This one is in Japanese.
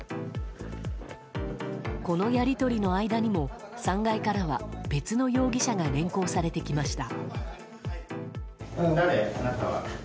このやり取りの間にも３階からは別の容疑者が連行されてきました。